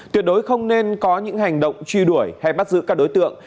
tuyệt đối không nên có những hành động truy đuổi hay bắt giữ các đối tượng